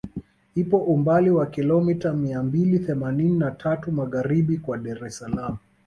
Ipo umbali wa kilometa mia mbili themanini na tatu magharibi kwa Dar es Salaam